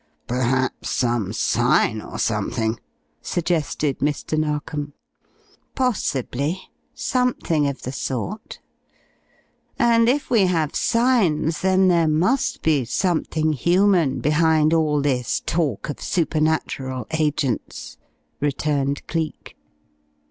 "Perhaps some sign or something," suggested Mr. Narkom. "Possibly, something of the sort. And if we have signs then there must be something human behind all this talk of supernatural agents," returned Cleek.